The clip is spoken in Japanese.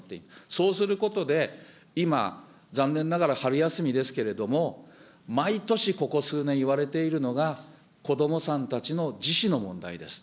そうすることで、今、残念ながら春休みですけれども、毎年ここ数年いわれているのが、子どもさんたちの自死の問題です。